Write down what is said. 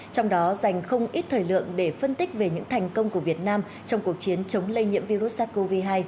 trong đó dành không ít thời lượng để phân tích về những thành công của việt nam trong cuộc chiến chống lây nhiễm virus sars cov hai